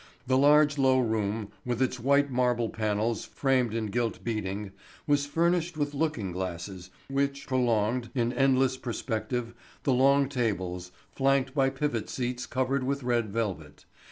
The large low room, with its white marble panels framed in gilt beading, was furnished with looking glasses, which prolonged, in endless perspective, the long tables, flanked by pivot seats covered with red velvet.